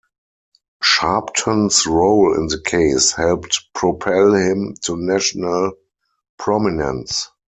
Sharpton's role in the case helped propel him to national prominence.